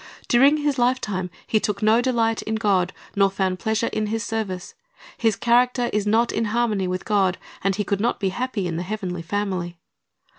During his lifetime he took no delight in God, nor found pleasure in His service. His character is not in harmony with God, and he could not be happy in the heavenly family.